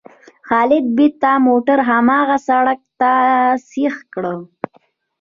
خالد بېرته موټر هماغه سړک ته سیخ کړ.